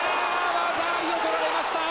技ありを取られました。